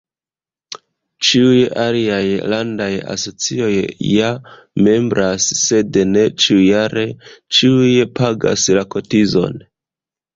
Ĉiuj aliaj landaj asocioj ja membras sed ne ĉiujare ĉiuj pagas la kotizon.